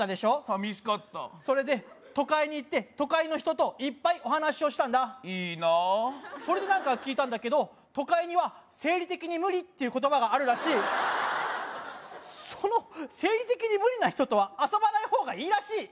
寂しかったそれで都会に行って都会の人といっぱいお話をしたんだいいなあそれで何か聞いたんだけど都会には「生理的に無理」っていう言葉があるらしいその生理的に無理な人とは遊ばない方がいいらしい